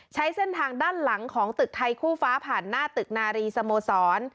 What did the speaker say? ใช้เส้นทางด้านหลังของตึกไทยคู่ฟ้าผ่านหน้าตึกนารีสโมสร